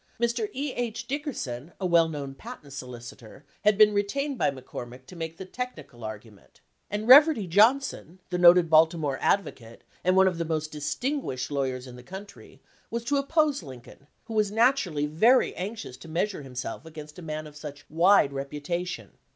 Mr. E. H. Dick erson, a well known patent solicitor, had been re tained by McCormick to make the technical argument, and Reverdy Johnson, the noted Baltimore advocate, and one of the most distin guished lawyers in the country, was to oppose Lincoln, who was naturally very anxious to measure himself against a man of such wide reputation.